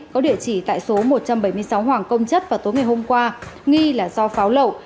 có địa chỉ tại số một trăm bảy mươi sáu hoàng công chất vào tối ngày hôm qua nghi là do pháo lậu